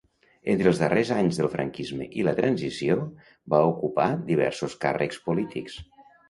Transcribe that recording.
Entre els darrers anys del franquisme i la transició va ocupar diversos càrrecs polítics.